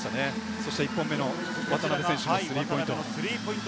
そして１本目の渡邊選手のスリーポイント。